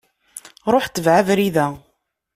Ruḥ tbeε abrid-a.